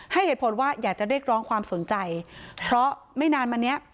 เหตุผลว่าอยากจะเรียกร้องความสนใจเพราะไม่นานมาเนี้ย